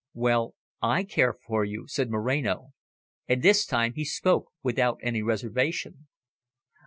"Well, I care for you," said Moreno, and this time he spoke without any reservation.